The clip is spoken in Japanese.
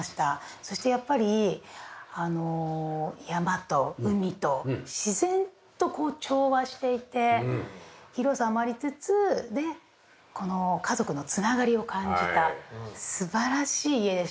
そしてやっぱり山と海と自然と調和していて広さもありつつで家族の繋がりを感じた素晴らしい家でした。